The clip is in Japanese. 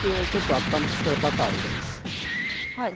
温まってきたらバターを入れます。